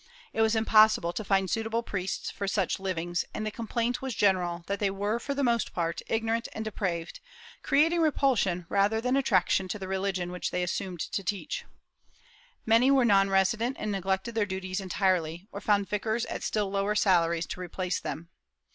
It was impossible to find suitable priests for such hvings, and the complaint was general that they were, for the most part, ignorant and depraved, creating repulsion rather than attraction to the reUgion which they assumed to teach. Many were non resident and neglected their duties entirely, or found vicars at still lower salaries to replace them.